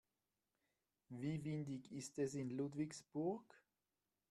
Wie windig ist es in Ludwigsburg?